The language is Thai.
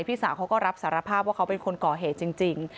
พี่สาวเขาก็รับสารภาพว่าเขาเป็นคนก่อเหตุจริง